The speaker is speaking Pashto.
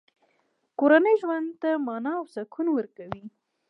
کورنۍ ژوند ته مانا او سکون ورکوي.